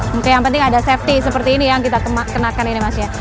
mungkin yang penting ada safety seperti ini yang kita kenakan ini mas ya